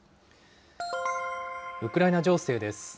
ウクライナ情勢です。